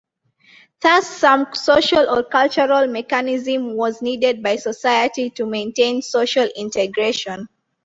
Thus some social or cultural mechanism was needed by society to maintain social integration.